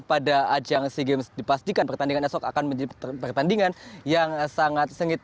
karena sehingga di ajang sea games dipastikan pertandingan esok akan menjadi pertandingan yang sangat sengit